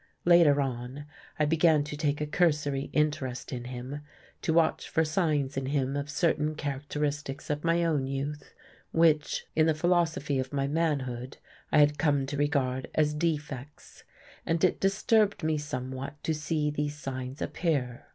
Later on, I began to take a cursory interest in him, to watch for signs in him of certain characteristics of my own youth which, in the philosophy of my manhood, I had come to regard as defects. And it disturbed me somewhat to see these signs appear.